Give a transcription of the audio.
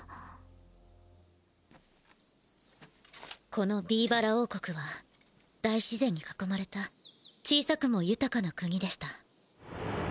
このビーバラおうこくは大自然にかこまれた小さくもゆたかな国でした。